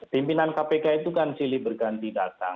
pimpinan kpk itu kan silih berganti datang